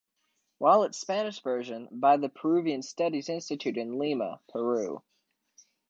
While its Spanish version, by the Peruvian Studies Institute in Lima, Peru.